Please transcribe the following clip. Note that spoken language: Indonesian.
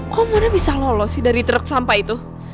kok mona bisa lolos dari truk sampah itu